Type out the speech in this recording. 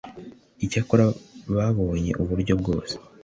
icyakora babonye uburyo bwose